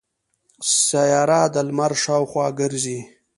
سیاره د لمر شاوخوا ګرځي.